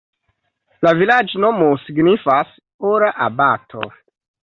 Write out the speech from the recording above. La vilaĝnomo signifas: ora-abato.